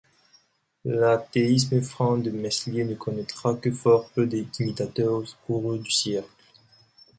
L’athéisme franc de Meslier ne connaîtra que fort peu d’imitateurs au cours du siècle.